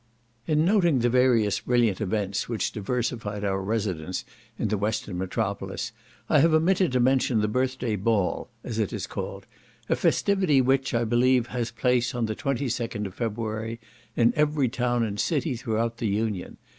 In noting the various brilliant events which diversified our residence in the western metropolis, I have omitted to mention the Birthday Ball, as it is called, a festivity which, I believe, has place on the 22nd of February, in every town and city throughout the Union.